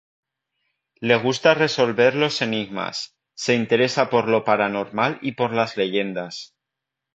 Le gusta resolver los enigmas, se interesa por lo paranormal y por las leyendas.